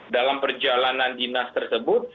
dalam perjalanan dinas tersebut